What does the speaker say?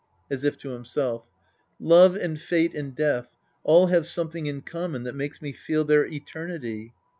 {As if to himself^ Love and fate and death all have something in common that makes me feel their eternity.